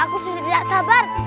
aku masih tidak sabar